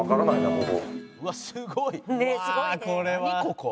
ここ？